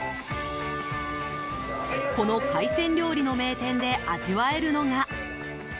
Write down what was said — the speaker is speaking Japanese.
この海鮮料理の名店で味わえるのが。